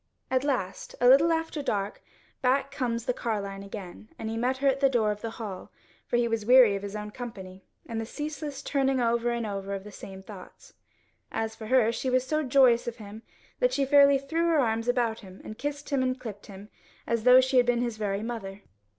At last, a little after dark, back comes the carline again, and he met her at the door of the hall, for he was weary of his own company, and the ceaseless turning over and over of the same thoughts. As for her, she was so joyous of him that she fairly threw her arms about him and kissed and clipped him, as though she had been his very mother.